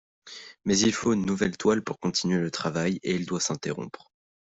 Mais il faut une nouvelle toile pour continuer le travail et il doit s'interrompre.